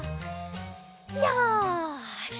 よし。